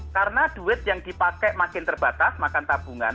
karena duit yang dipakai makin terbatas makan tabungan